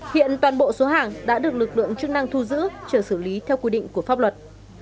hiện toàn bộ số hàng đã được lực lượng chức năng thu giữ chờ xử lý theo quy định của pháp luật